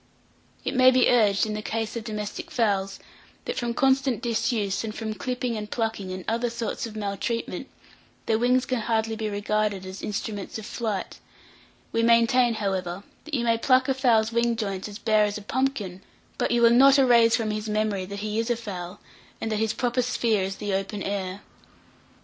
It may be urged, in the case of domestic fowls, that from constant disuse, and from clipping and plucking, and other sorts of maltreatment, their wings can hardly be regarded as instruments of flight; we maintain, however, that you may pluck a fowl's wing joints as bare as a pumpkin, but you will not erase from his memory that he is a fowl, and that his proper sphere is the open air.